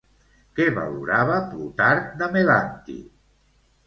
Què valorava Plutarc de Melanti?